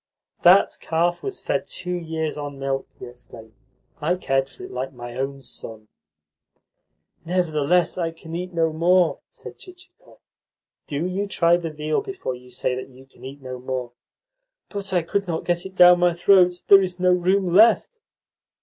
"That calf was fed two years on milk," he explained. "I cared for it like my own son." "Nevertheless I can eat no more," said Chichikov. "Do you try the veal before you say that you can eat no more." "But I could not get it down my throat. There is no room left."